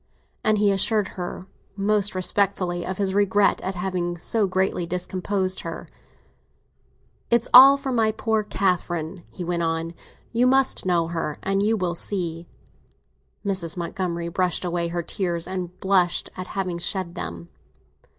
And he assured her most respectfully of his regret at having so greatly discomposed her. "It's all for my poor Catherine," he went on. "You must know her, and you will see." Mrs. Montgomery brushed away her tears, and blushed at having shed them.